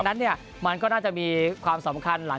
ตอนนั้นมันก็น่าจะมีความสำคัญ